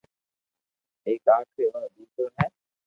ايڪ آخري وارو ديڪرو ھي